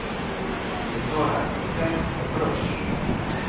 Και τώρα, είπε, εμπρός!